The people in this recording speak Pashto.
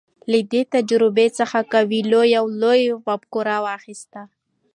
له دې تجربې څخه کویلیو یوه لویه مفکوره واخیسته.